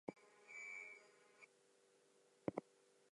He also had a sister, Hulda.